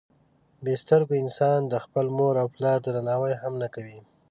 بې سترګو انسانان د خپل مور او پلار درناوی هم نه کوي.